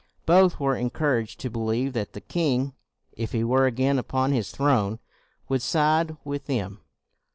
Both were en couraged to believe that the king, if he were again upon his throne, would side with them.